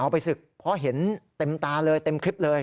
ไปศึกเพราะเห็นเต็มตาเลยเต็มคลิปเลย